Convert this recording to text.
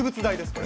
これ。